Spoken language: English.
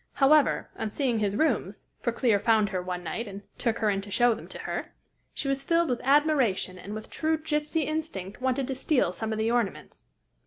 However, on seeing his rooms for Clear found her one night, and took her in to show them to her she was filled with admiration, and with true gypsy instinct wanted to steal some of the ornaments.